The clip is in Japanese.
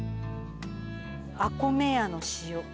アコメヤの塩。